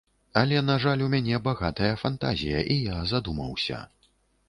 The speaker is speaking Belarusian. Але, на жаль, у мяне багатая фантазія, і я задумаўся.